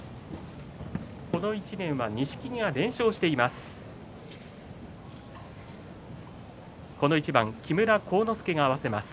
この１年は錦木が連勝しています。